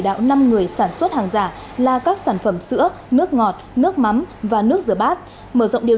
đạo năm người sản xuất hàng giả là các sản phẩm sữa nước ngọt nước mắm và nước rửa bát mở rộng điều